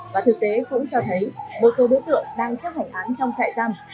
và thực tế cũng cho thấy một số đối tượng đang chấp hành án trong trại giam